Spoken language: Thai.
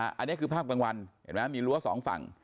อันนี้คือภาพกลางวันเห็นไหมมีรั้วสองฝั่ง